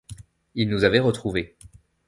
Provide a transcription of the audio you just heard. Ils nous avaient retrouvés.